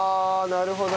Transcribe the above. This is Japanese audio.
なるほど。